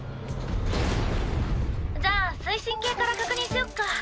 じゃあ推進系から確認しよっか。